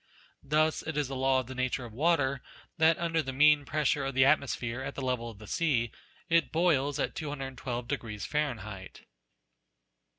Thus it is a law of the nature of water that under the mean pressure of the atmosphere at the level of the sea, it boils at 212 Fahrenheit.